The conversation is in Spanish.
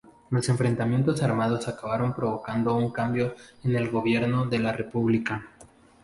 Los enfrentamientos armados acabaron provocando un cambio en el Gobierno de la República.